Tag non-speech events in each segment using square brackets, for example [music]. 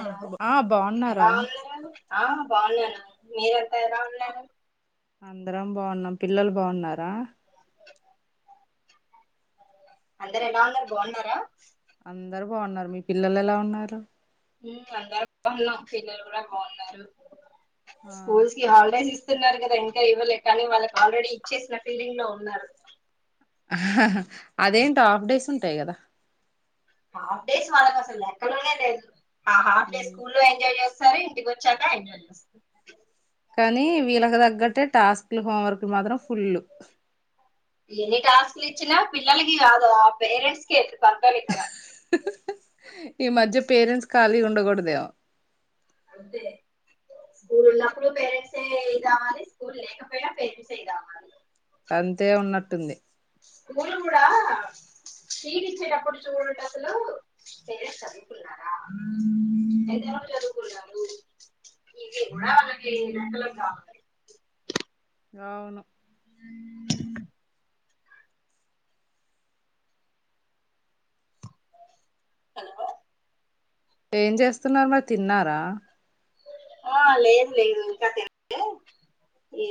ఆ ఆ ఎలా బాగున్నారా ఆ బాగున్నాను మీరంతా ఎ రా ఉన్నాను అందరం బాగున్నాం పిల్లలు బాగున్నారా అందరు ఎలా ఉన్నారు బాగున్నారా అందరు బాగున్నారు మీ పిల్లలు ఎలా ఉన్నారు అందరు బాగున్నాం పిల్లలు కూడా బాగున్నారు ఆ స్కూల్స్ కి హాలిడేస్ ఇ న్నారు కదా ఇంకా ఇవ్వలేకని వాళ్ళకి ఆల్రెడీ ఇచ్చేసిన ఫీల్డింగ్ లో ఉన్నారు అదేంటి హాఫ్ డేస్ ఉంటాయి కదా హాఫ్ డేస్ మనకు అసలు లెక్కనే లేదు హాఫ్ డేస్ ఉమ్. స్కూల్ లో ఎంజాయ్ చేస్త సరే ఇంటికి వచ్చాక ఎంజాయ్ చేస్తాను కానీ వీళ్ళకి తగ్గట్టే టాస్క్లు హోంవర్క్ మాత్రం ఫుల్ ఎన్ని టాస్క్లు ఇచ్చినా పిల్లలకి కాదు ఆ పేరెంట్స్ క ఈ మధ్య పేరెంట్స్ ఖాళీ ఉండకూడదేమో అదే స్కూల్ ఉన్నప్పుడు పేరెంట్సే ఇ కావాలి స్కూల్ లేకపోయినా పేరెంట్సే కావాలి అంతే ఉన్నట్టుంది ములు కూడాడా చచ్చేటప్పుడు చూడం అసలు చదువున్నా వుకు మన కా అవును అను ఏం చేస్తున్నారు మరి తిన్నారా ఆ లేదు లేదు ఇంకా తె ఈ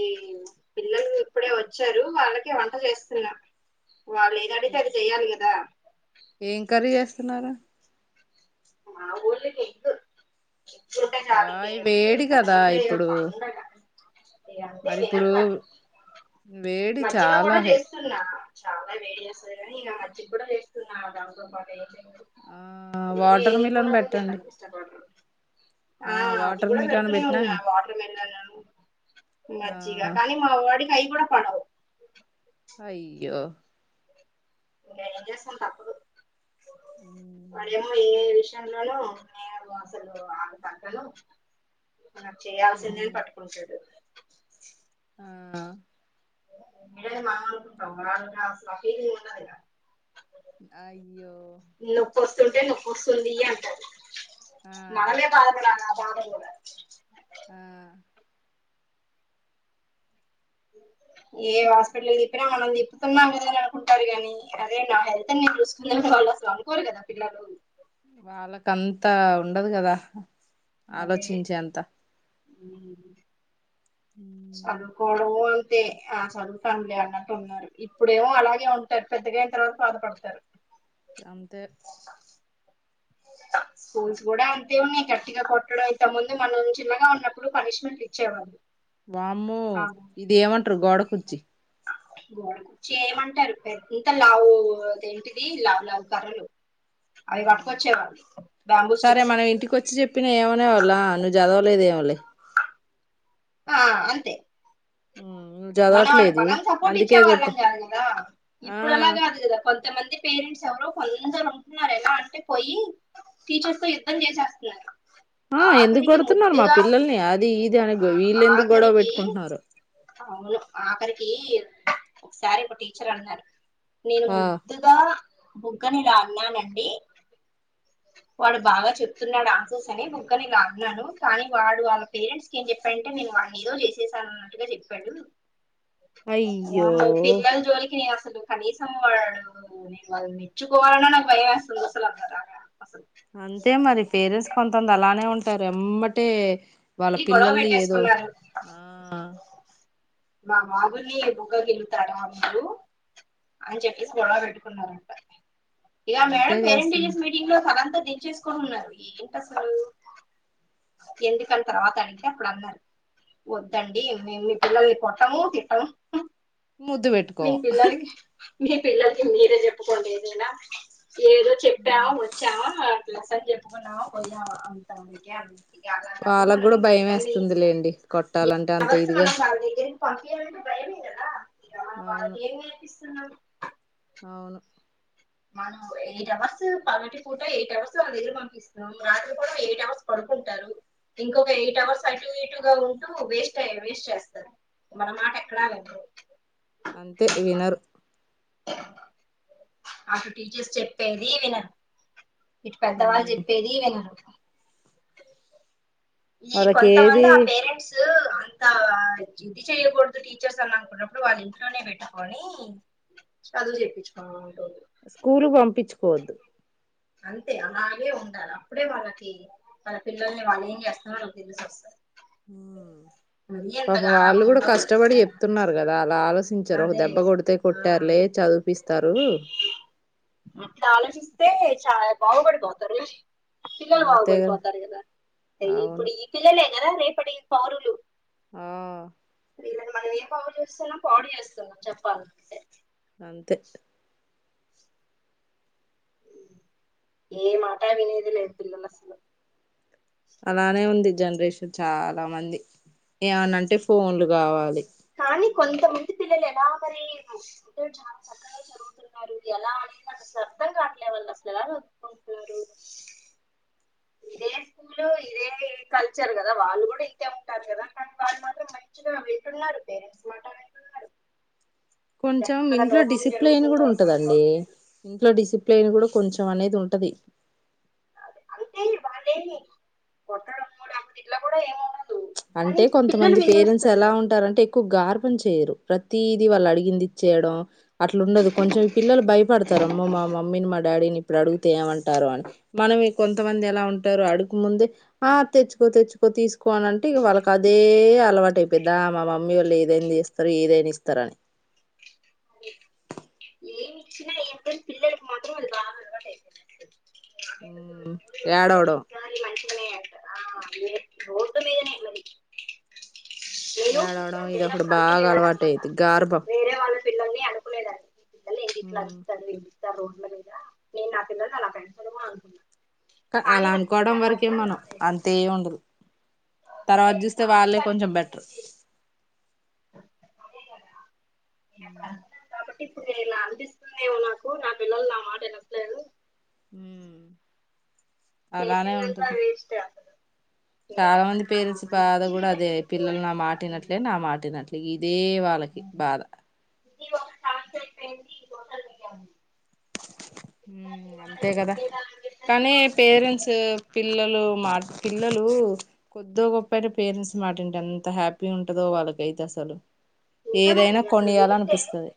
పిల్లలు ఇప్పుడే వచ్చారు వాళ్ళకే వంట చేస్తున్నారు వాళ్ళు లేదనేసి ఏ- అది చెయ్యాలి కదా ఏం కర్రీ చేస్తున్నారు మా ఊళ్ళకకు ఎప్పుడుంటే ఆ కాదు ఈ ఇంక వేడి ఇంకా కదా ఇప్పుడు అవన్నీప్పు బగున్నా ఇ అంటే మరి వినరు ఇప్పుడు వాడి వేడి మంచిగా చాలా కూడా హె చేస్తున్నా చాలా వేడి చేస్తుంది కాని ఇక మజికి కూడా వేస్తున్నా దాంతో పాటు ఏ ఆ ఏ వాటర్ మిలన్ పరా ఎంట పెట్టండి ఇష్ట ఆ అది వాటర్ కూడా మిలన్ పెడుతూనే పెట్టినా ఉన్నా వాటర్ మెలన్ ఆ మజ్జిగా కానీ మా వాడి కై కూడా పడవు అయ్యో ఎంసం తప్పుదు హ్మ్. పడమో ఏ విష నేను అసలు ఆమె కట్టను అ చె చేయాసిందని హ్మ్. పట్టు పడుించదు ఆ ఎ మాకుంటా ఇో ఇంతుంటే నొప్పి వస్తుంది అంట ఆ మనమే బాధపడాల బాధ పడ ఆ ఏ హాస్పిటల్ తిప్పినా మనం తిప్పుతున్నాం కదని అనుకుంటారుగానీ అదే నా హెల్త్ని నేను చూస్కునే వాళ్ళు అసలు అనుకోరు కదా పిల్లలు వాళ్ళకి అంతా ఉండదు కదా ఆలోచించే అంత చదువుకోడము తే ఆ చదువుతాం లే అన్నట్టు ఉన్నారు ఇప్పుడేమో అలాగే ఉంటారు పెద్దగా అయిన తరువాత వరకు బాధపడతారు అంతే స్కూల్స్ కూడా అంతే ఉన్నాయి గట్టిగా కొట్టడం ఇంత ముందు మనం చిన్నగా ఉన్నప్పుడు పనిష్మెంట్ ఇచ్చేవా వామ్మో ఇది ఏమంటారు గోడ కుర్చీ గోడ కుర్చీ ఏయమంటారు పెంత లావో ఏంటిది లవ్ లవ్ కర్రలు అవి పట్టుకొచ్చేవాళ్ళు బ్యాంబూ సరే స్టిక్స్ మనం ఇంటికి వచ్చి చెప్పిన ఏమనా వా లా నువ్వు జాదవలేదు ఏమో లే ఆ అంతే హ్మ్ మనం మనం సపోర్ట్ ఇచ్చే వాళ్ళం కాదు కదా ఇప్పుడు అలా ఆ కాదు కదా కొంతమంది పేరెంట్స్ ఎవరో కొందరు ఉంటున్నారు ఎలా అంటే పోయి టీచర్స్ తో యుద్ధం చేసేస్తున్నారు ఆ ఎందుకు ఆఖరికి కొడుతున్నారు మా ముద్దుగా పిల్లల్ని అది ఇది అని ఆ వీళ్ళు ఎందుకు గొడవ ఆఖరికి పెట్టుకుంటున్నారు అవును ఆఖరికి ఒకసారి ఏమో టీచర్ అన్నార్ నేను ఆ ముద్దుగా బుగ్గని ఇలా అన్నంనండి వాడు బాగా చెప్తున్నాడు ఆన్సర్స్ అని బుగ్గలు ఇలా అన్నాను కానీ వాడు వాళ్ళ పేరెంట్స్కి ఏం చెప్ప పోయింటే నేను వాన్ని ఏదో చేసేసాను అన్నట్టుగా చెప్పాడు అయ్యో వామ్మో పిల్లల జోలికినే అస్ అసలు కనీసం వాళ్ళు నేను వాళ్ళు మెచ్చుకోవాలన్నా నాకు భయం వేస్తుంది అసలు అసలు అంతే మరి పేరెంట్స్ కొంతంది అలానే ఉంటారు ఎమటే ఈ గొడవ పెట్టేసుకున్నారు మా [unintelligible] బుగ్గ గిల్లుతాడు అప్పుడు అని చెప్పేసి గొడవ పెట్టుకున్నారంట ఇగ అంతే మేడం పేరెంట్ చేస్తున్నా టీచర్స్ మీటింగ్ లో తలంతా దీంచెస్ కొనునర్ ఏంటి అసలు ఎందుకని తర్వాత అడిగితే అప్పుడు అన్నారు వద్దండి మేము మీ పిల్లలని కొట్టము తిట్టము ముద్దు మీ పెట్టుకోము పిల్లలకి మీ పిల్లలకి మీరే చెప్పుకోండి ఏదైనా ఏదో చెప్పామ వచ్చావా అట్లాస చెప్పుకున్నామా పోయామా అంతే నీకు యాలా వాళ్ళకు కూడా భయం వేస్తుంది లేండి కొట్టాలంటే అంత అవర్స్ ఇదిగా మనం వాళ్ళ ఇగ అవును వాళ్లకి ఏం నేర్పిస్తున్నాం అవును మనం ఎయిట్ అవర్స్ పగటి పూట ఎయిట్ అవర్స్ వాళ్ళ దెగ్గర పంపిస్తాం రాత్రి కూడా ఎయిట్ అవర్స్ పడు అనుకుంటారు ఇంకొక ఎయిట్ అవర్స్ అటు ఎటుగా ఉంటూ వేస్ట్ అయ్య వేస్ట్ చేస్తారు మన మాట ఎక్కడా వినరు అంతే వినరు అటు టీచర్స్ చెప్పేది వినరు ఇటు పెద్దవాళ్ళు ఉమ్ చెప్పేది వినరు ఈ వాళ్ళకి కొంతమంది ఏది ఆ పేరెంట్స్ అంత ఇది చెయ్యకూడదు టీచర్స్ అని అనుకున్నప్పుడు వాళ్ళ ఇంట్లోనే పెట్టుకొని చదువు చేపించుక స్కూలుకు పంపించుకోవద్దు అంతే అలాగే ఉండాలి అప్పుడే వాళ్ళకి వాళ్ళ పిల్లల్ని వాళ్ళు ఏం చేస్ ఆ తెలుసోతది ఉమ్ పాపం గారాబం వాళ్ళు కూడా కష్టపడి ఉండకూడదు చెప్తున్నారు కదా అలా ఆలోచించరు ఒక అదే దెబ్బ కొడితే ఆ కొట్టారులే చదివిపిస్తారు అట్లా ఆలోచిస్తే చాల బాగు పడిపోతారు పిల్లలు బాగుపడిపోతారు కదా ఇప్పుడు అవును ఈ పిల్లలేనారా రేపటి ఈ పౌరులు ఆ వీళ్లని మనం ఏం పౌడు చేస్తున్నం పౌడు చేస్తున్నాం చెప్పాలంటే అంతే ఏ మాట వినేది లేదు పిల్లలు అసలు అలానే ఉంది జనరేషన్ చాలా మంది ఏమనంటే ఫోన్లు కావాలి కానీ కొంతమంది పిల్లలు ఎలా మరి అంటే చాలా చక్కగా చదువుతున్నారు ఎలా అడిగినా సరే అర్థం కాట్లే వాళ్ళు అసలు ఎలా చదుకుంటున్నారు స్కూల్ ఇదే కల్చర్ కదా వాళ్ళు కూడా ఇంతే ఉంటారు కదా కానీ వాళ్ళు మాత్రం మంచిగా వింటున్నారు పేరెంట్స్ వాట [unintelligible] కొంచెం ఇంట్లో లోపం డిసిప్లైన్ జరుగుతుందో కూడా అర్థం ఉంటదండి కావట్లేదు ఇంట్లో డిసిప్ ప్లేన్ కూడా కొంచెం అనేది ఉంటుంది చీ వాళ్ళేమి [unintelligible] ఇట్లా కూడా కానీ అంటే పిల్లలు కొంతమంది పేరెంట్స్ ఎలా వినేస్తున్నారు ఉంటారంటే ఎక్కువ కు గార్పం చేయరు ప్రతిదీ వాళ్ళు అడిగింది ఇచ్చయడం అట్లు ఉండదు కొంచెం పిల్లలు భయపడతారు అమ్మో మా మమ్మీని మా డాడీని ఇప్పుడు అడుగుతే ఏమంటారు అని మనం కొంతమంది ఎలా ఉంటారు అడుకు ముందే ఆ తెచ్చుకో తెచ్చుకో తీసుకో అనంటే టి ఇగ వాళ్ళకి అదే అలవాటు అయిపోద్దా మా మమ్మీ వాళ్ళు ఏదైనా తీస్తారు ఏదనా ఇస్తారని ఏమి ఇచ్చినా ఏం [unintelligible] పిల్లలకు మాత్రం అది బాగా అలవాటు అయిపోయింది ఊ ఏడవడం ఒకసారి మంచిగానే అంట ఆ రోడ్డు మీదనే మరి నేను ఏడవడం పిల్లలు ఇదొకటి లేనప్పుడు బాగా అనుకునేదాన్ని అనమాట అలవాటైది గారాబం వేరే వాళ్ళ పిల్లల్ని అనుకునేదాన్ని మళ్ళీ ఇలా హ్మ్. అరుస్తుంది ఎందని ఇలా రోడ్ల మీద నేను నా పిల్లలని అలా పెంచను కూడా అనుకున్నాను అ అలా అనుకోవడం వరకే మనం అంతేం ఉండదు అదే తర్వాత చూస్తే నాకు వాళ్ళే కొంచెం బెటర్ అనిపించింది అదే ఊ అప్పుడు అనుకున్నాను అంటే కాబట్టి ఇపుడు నేను ఇలా అలోచిస్తుందేమో నాకు నా పిల్లలు నా మాట వినట్లేదు ఊ అలానే చేసిందంతా ఉంటుంది వేస్ట్ అసలు చాలా వీళ్ళకంతా మంది పేరెంట్స్ బాధ మంచిగా కూడా అదే చెప్పుకుంటూ పిల్లలు నా వెళ్తున్నా మాట ఇనట్లే నా మాట ఇనట్లే ఈ దే వాళ్ళకి బాధ ఒకలికి అండి ఊ అంతే కదా కానీ పేరెంట్స్ పిల్లలు మాట్ పిల్లలు కొద్దో గొప్పైన పేరెంట్స్ మాటింటే అంత హ్యాపీగా ఉంట టదో వాళ్ళకైతే అసలు ఏదైనా నిజమండి అసలు కొనియాల వింటే అనిపిస్తది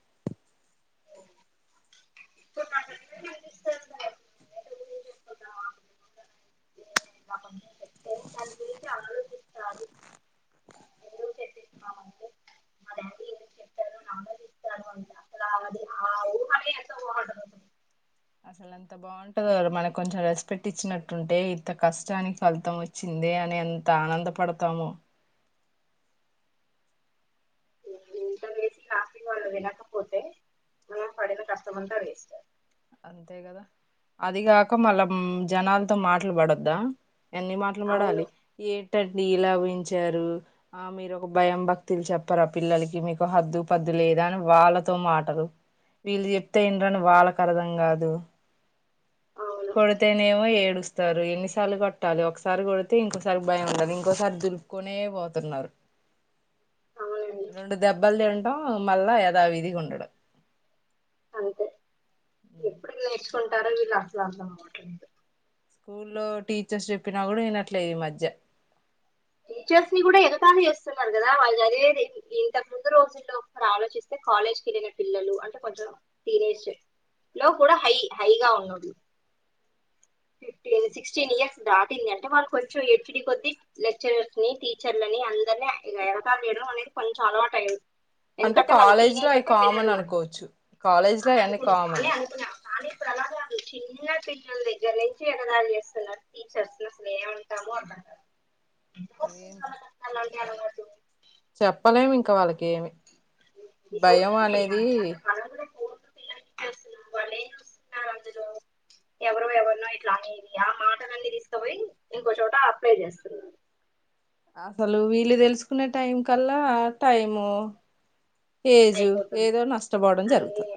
ఇప్పుడు నాకట్లే అనిపిస్తుంది ఇలా కొంచెం చెప్తే దాని గురించి ఆలోచిస్తారు ఎందుకు చెప్పిస్తున్నామంటే మా డాడీ ఎందుకు చెప్పారు నాలో ఇస్తారు అంటే అసలు అది ఆ ఊహనే ఎంత బాగుంటది అసలు అంత బాగుంటదో మనకు కొంచెం రెస్పెక్ట్ ఇచ్చినట్టుంటే ఇంత కష్టానికి ఫలితం వచ్చింది దే అని ఎంత ఆనందపడతామో ఇపుడు ఇంత చేసి [unintelligible] వినకపోతే మనం పడిన కష్టమంత వేస్టే అంతే కదా అదిగాక మళ్ళా జనాలతో మాట్లు పడద్దా ఎన్ని మాటలు అవును పడాలి ఏ టడ్ ఇలా పెంచారు ఆ మీరు ఒక భయం భక్తులు చెప్పర పిల్లలకి మీకు హద్దు పద్దు లేదా అని వాళ్ళతో మాటలు వీళ్ళు చెప్తే ఇండ్రని వాళ్ళకు అర్థం కాదు అవును కొడతేనేమో ఏడు చస్తారు ఎన్నిసార్లు కట్టాలి ఒకసారి కొడితే ఇంకోసారి భయం ఉండాలి ఇంకోసారి దులుపుకునే పోతున్నారు అవునండి రోండు దెబ్బల్ తిన్టాం మళ్ళా యధా విధిగ్ ఉండడు అంతే ఎప్పుడు నేర్చుకుంటారో వీళ్ళు అస్ల అద్దం అవ్వట్లేదు స్కూల్లో టీచర్స్ చెప్పినా కూడా వినట్లేదు ఈ మధ్య టీచర్స్ ని కూడా ఎగాతాలి చేస్తున్నారు కదా వాళ్ చదివేది ఇంతకు ముందు రోజుల్లో ఒక ఆలోచిస్తే కాలేజ్ కేళ్ళిన పిల్లలు అంటే కొంచెం టీనేజే లో కూడా హై హైగా ఉన్నడు ఫిఫ్టీన్, సిక్స్టీన్ ఇయర్స్ దాటింది అంటే వాళ్ళు కొంచెం హెచ్డీ కోద్ది లెక్చరర్స్ ని టీచర్లని అందరినీ ఎగతాళి చేయడం అనేది కొంచెం అలవాట్ అయింద్ అంటే ఎందుకంటే మనక్ కాలేజ్ లో టీనేజ్ అవి అంటే కామన్ వినరు అని. అనుకోవచ్చు కాలేజ్ లో అని అవన్నీ అనుకుం కామన్ అని అనుకున్న కానీ ఇప్పుడ్ అలానే ఉంద్ చిన్న పిల్లల దగ్గర నుంచి ఎగతాళి చేస్తున్నారు టీచర్స్ ని అసల ఏమంటాము అంట ఎందుకస్తుంది వాళ్ళక్ అసల్ ఆ అలవాటు చెప్పలేం ఇంకా వాళ్ళకేమి ఈ భయం సోషల్ మీడియా అనేది అంటే మనం కూడా ఫోన్ లో పిల్లలకి ఇచ్చేస్తున్నాం వాళ్ళు ఏం చూస్తున్నారు అందులో ఎవరో ఎవర్నో ఇట్ల అనే ఆ మాటల అన్న తీ ఇస్తపోయి ఇంకోచోట అప్లై చేస్తున్నారు అసలు వీళ్ళు తెలుసుకునే టైం కల్ల టైము ఏజు అయిపోతుంది ఏదో నష్టపోవడం అది జరుగుతది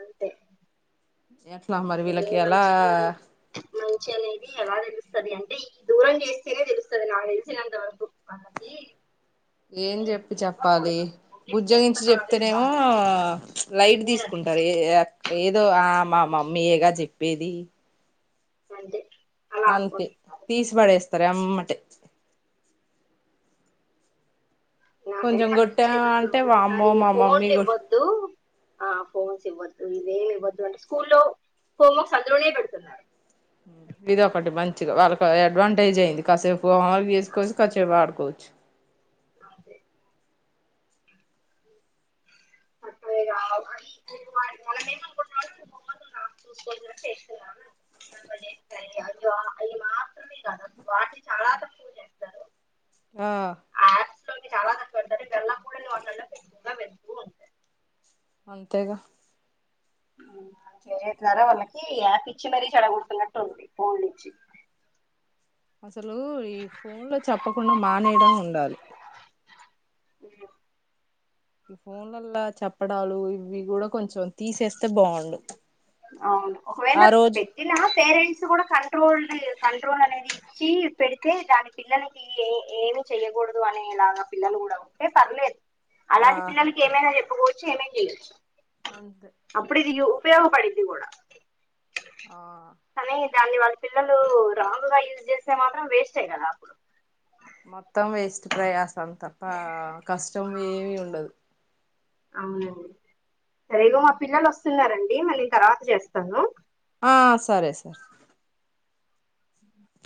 అంతే ఏట్ల మరి వీలక్ ఇ మంచి మంచి అనేది ఎలా తెలుస్తది అం టి దూరం చేస్తేనే తెలుస్తుంది నాకు తెలిసినంతవరకు వాళ్లకి ఏం చెప్పి చెప్పాలి ఓన్లీ బుజ్జోగించి పుస్తకాలు చెప్తేనేమో ఇవ్వాలి లైట్ తీసుకుం టర్ ఎ ఏయాక్ ఏదో ఆ మా మమ్మీ ఏగా చెప్పేది అంతే అలా అంతే అనుకుంటున్నారు తీసిబడేస్తారు ఎమ్మటే నాక్ అయితే కొంచెం కొట్టా అన్ప్పిచ్చే అంటే వామ్మో ఒకోకసారి మా మమ్మీ కొట్ ఫోన్లుయివ్వద్దు ఆ ఫోన్స్ ఇవ్వద్దు ఇవేమి ఇవ్వద్దు అంటే స్కూల్లో హోమ్వర్క్స్ అందులోనే పెడుతున్నారు హ ఇది ఒకటి మంచిగా వాళ్ళకి అడ్వాంటేజ్ అయింది కాసేపుమ చేసుకోని కాసేపు ఆడుకోవచ్చు అంతే అ ఆ చుస్కొని పోయి చేస్తున్నారు అని కాదు అ వాటిని చాలా తక్కువ ఆహ్ లో చాలా కష్టపడతారు వెళ్ళ కూడా వాటి ఎక్కువగా వెళ్తూ ఉంటాయి అంతేగా సరతున్నారా వాళ్ళకి యాప్ ఇచ్చి మరీ చెడగడుతున్నట్టు ఉంది ఫోన్లిచ్చి అసలు ఈ ఫోన్లో చెప్పకుండా మానేయడం ఉండాలి ఉమ్ ఈ ఫోన్లల్లా చెప్పడాలు ఇవ్వీ కూడా కొంచం తీసేస్ అవును ఒకవేళ ఆ రోజు పెట్టినా పేరెంట్స్ కూడా కంట్రోల్డ్ కంట్రోల్ అనేది ఇచ్చి పెడితే దాని పిల్లలకి ఏ ఏమ్ చెయ్యకూడదు అనేలాగా పిల్లలు కూడా ఉంటే పర్లేదు ఆ అలాంటి పిల్లలకి ఏమైనా చెప్పుకోవచ్చు ఏమైనా చేయవచ్చు అంతే ఇప్పుడు ఇది ఉపయోగపడ్డిది కూడా ఆ సనే దాన్ని వాళ్ పిల్లలు రాంగ్ గా యూజ్ చేస్తే మాత్రం వేస్టే కదా అప్పుడు మొత్తం వేస్ట్ ప్రయాస్ అంత కష్టం ఏమి ఉండదు అవునండి సరే ఇగో మా పిల్లలు వస్తున్నారండి మళ్ళీ తర్వాత చేస్తాను ఆ సరే సరే అ